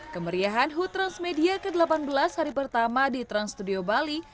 kemeriahan hood transmedia ke delapan belas hari pertama di trans studio bali